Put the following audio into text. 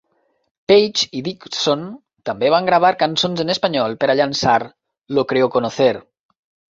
Paige i Dickson també van gravar cançons en espanyol per a llançar Lo creo conocer.